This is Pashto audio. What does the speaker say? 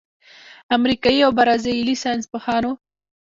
امریکايي او برازیلي ساینسپوهانو